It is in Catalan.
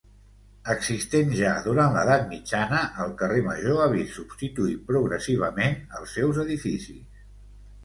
Existent ja durant l'Edat mitjana, el carrer Major ha vist substituir progressivament els seus edificis.